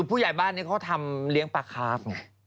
ผู้ใหญ่บ้านเค้าเท่าไหร่เลี้ยงปลาคาร์ฟ